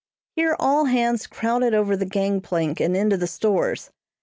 Here all hands crowded over the gangplank and into the stores.